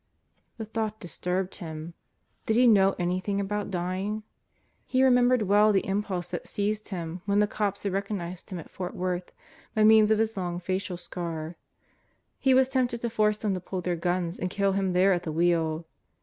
The thought disturbed him. Did he know anything about dying? He remembered well the impulse that seized him when the cops had recognized him at Fort Worth by means of his long facial scar. He was tempted to force them to pull their guns and kill him there at the wheel.